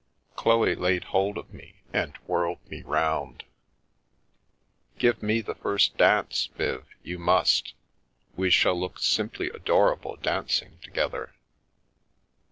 Chloe laid hold of me and whirled me round. " Give me the first dance, Viv ; you must ! We shall look simply adorable dancing together!